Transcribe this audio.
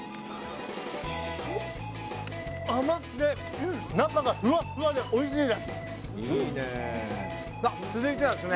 甘くて中がふわふわでおいしいです！